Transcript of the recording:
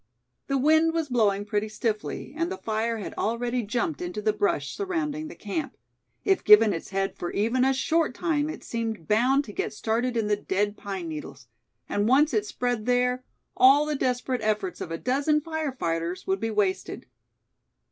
The wind was blowing pretty stiffly, and the fire had already jumped into the brush surrounding the camp. If given its head for even a short time it seemed bound to get started in the dead pine needles; and once it spread there, all the desperate efforts of a dozen fire fighters would be wasted.